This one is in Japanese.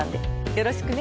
よろしくね。